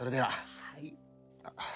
はい。